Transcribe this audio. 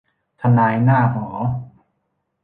ทนายหน้าหอ